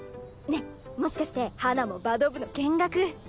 ねもしかして花もバド部の見学？